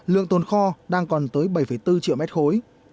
lượng tồn kho đang còn tới bảy bốn triệu mét khối